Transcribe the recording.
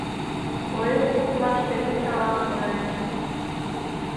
Поэт коклаште кычалам поэтым.